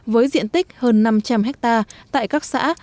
với diện tích hơn năm trăm linh hectare tại các xã